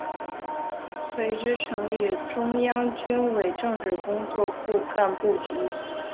随之成立中央军委政治工作部干部局。